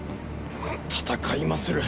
戦いまする。